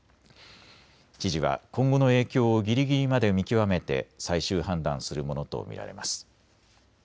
知事は今後の影響をぎりぎりまで見極めて最終判断するものと見られます。